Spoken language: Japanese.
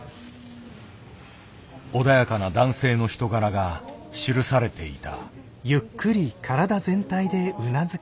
穏やかな男性の人柄が記されていた。